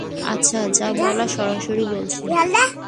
আচ্ছা, যা বলার সরাসরি বলছি।